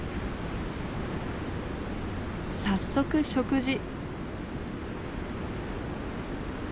早速食事。